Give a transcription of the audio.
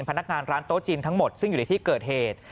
พนักงานร้านโต๊ะจีนทั้งหมดซึ่งอยู่ในที่เกิดเหตุ